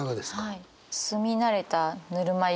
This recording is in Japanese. はい。